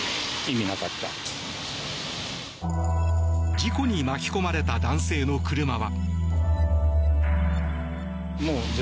事故に巻き込まれた男性の車は。